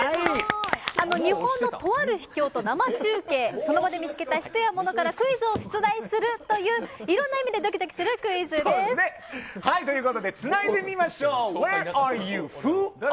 日本のとある秘境と生中継、その場で見つけた人や物からクイズを出題するといういろんな意味ということで、つないで見ましょう。